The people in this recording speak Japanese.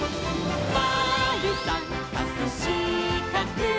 「まるさんかくしかく」